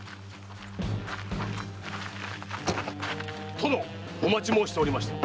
殿お待ち申しておりました。